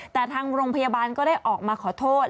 แต่ทางโรงพยาบาลก็ได้ออกมาขอโทษ